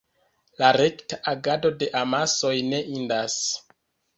La rekta agado de amasoj ne indas.